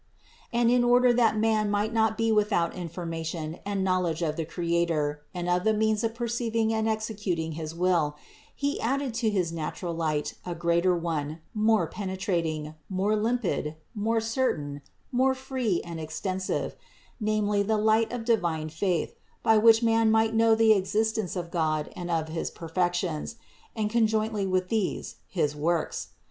And in order that man might not be with out information and knowledge of the Creator and of the means of perceiving and executing his will, He added to his natural light a greater one, more penetrating, more limpid, more certain, more free and extensive, namely the light of divine faith, by which man might know the existence of God and of his perfections, and conjointly THE INCARNATION 39 with these, his works.